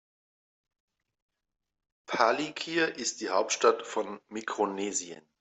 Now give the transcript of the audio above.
Palikir ist die Hauptstadt von Mikronesien.